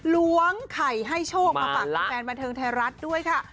ล้วงไข่ให้โชคมาฝากแฟนบันเทิงไทยรัฐด้วยค่ะ